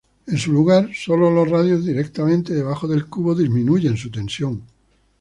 En su lugar, solo los radios directamente debajo del cubo disminuyen su tensión.